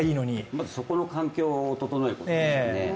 まずそこの環境を整えるべきですよね。